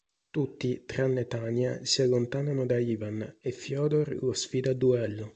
Tutti tranne Tanja si allontanano da Ivan, e Fëdor lo sfida a duello.